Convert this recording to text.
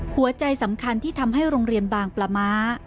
หัวใจสำคัญที่ทำให้โรงเรียนบางปลาม้า